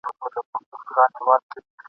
هیلي د زلمیو شپو مي سپینو وېښتو وخوړې !.